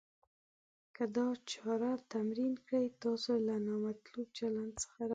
که دا چاره تمرین کړئ. تاسو له نامطلوب چلند څخه راګرځوي.